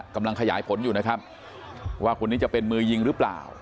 กำลังขยายผลอยู่นะครับว่าคนนี้จะเป็นมือยิงหรือเปล่า